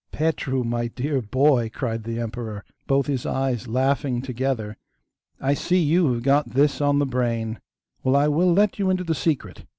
'Petru, my dear boy,' cried the emperor, both his eyes laughing together, 'I see you have got this on the brain. Well, I will let you into the secret.